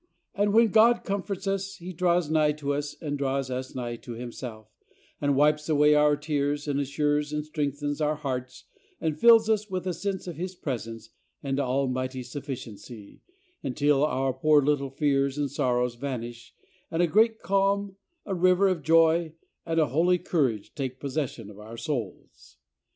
And when God comforts us He draws nigh to us and draws us nigh to Himself, and wipes away our tears and assures and strengthens our hearts and fills us with a sense of His presence and almighty sufficiency, until our poor little fears and sorrows vanish and a great calm, a river of joy, and a holy courage take possession of our souls.